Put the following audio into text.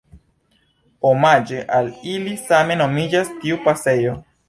Omaĝe al ili same nomiĝas tiu pasejo.